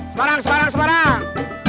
semarang semarang semarang